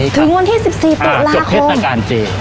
ถึงวันที่๑๔ตุลาคม